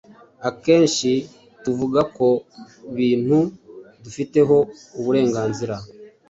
Akenshi tuvuga ku bintu dufiteho uburenganzira,